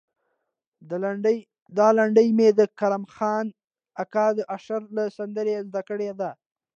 دا لنډۍ مې د کرم خان اکا د اشر له سندرې زده کړې ده.